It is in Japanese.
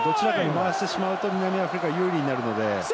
回してしまうと南アフリカが有利になるので。